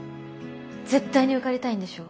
絶対に受かりたいんでしょ。